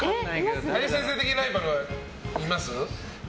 林先生的ライバルはいます？